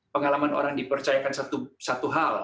pengalaman orang dipercayakan satu hal